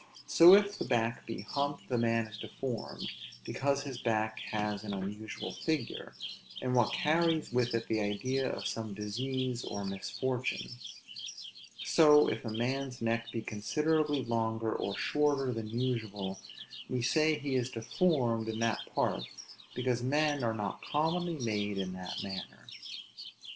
So if the back be humped, the man is deformed; because his back has an unusual figure, and what carries with it the idea of some disease or misfortune; So if a man's neck be considerably longer or shorter than usual, we say he is deformed in that part, because men are not commonly made in that manner.